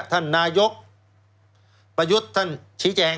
ท่านนายกประยุทธ์ท่านชี้แจง